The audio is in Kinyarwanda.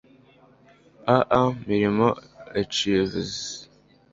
A A mirimo Archives